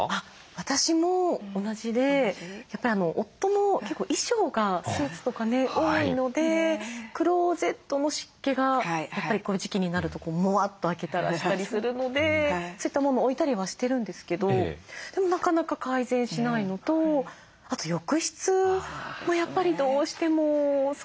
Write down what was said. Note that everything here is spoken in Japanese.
私も同じでやっぱり夫も結構衣装がスーツとかね多いのでクローゼットの湿気がやっぱりこの時期になるとモワッと開けたらしたりするのでそういった物を置いたりはしてるんですけどでもなかなか改善しないのとあと浴室もやっぱりどうしてもそうですね